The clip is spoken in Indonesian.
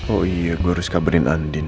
oh iya gue harus kabarin andin